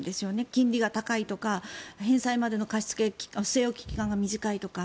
金利が高いとか返済までの期間が短いとか。